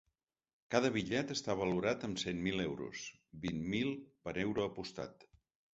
Cada bitllet està valorat amb cent mil euros, vint mil per euro apostat.